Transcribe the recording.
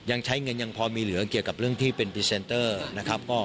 ยังใช้เงินยังพอมีเหลือเกี่ยวกับเรื่องที่เป็นพรีเซนเตอร์นะครับ